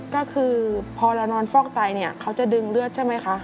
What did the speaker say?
ก็คือพอเรานอนฟอกไตเนี่ยเขาจะดึงเลือดใช่ไหมคะ